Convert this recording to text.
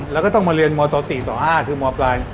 แล้วก็ต้องมาเรียนมต๔ต่อ๕คือมปลาย